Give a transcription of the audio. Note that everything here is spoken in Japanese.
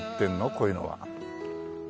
こういうのは。